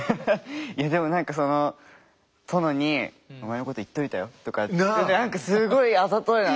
いやでも何かその殿にお前のこと言っといたよとか何かすごいあざといなと思って。